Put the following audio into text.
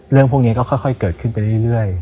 เรื่องพวกนี้ก็ค่อยเกิดขึ้นไปเรื่อย